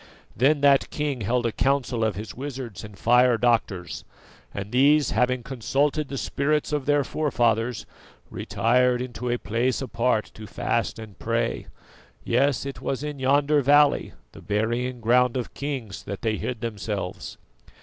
Then that king held a council of his wizards and fire doctors, and these having consulted the spirits of their forefathers, retired into a place apart to fast and pray; yes, it was in yonder valley, the burying ground of kings, that they hid themselves.